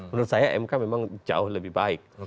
menurut saya mk memang jauh lebih baik